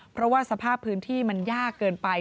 เพราะว่าสภาพพื้นที่มันยากเกินไป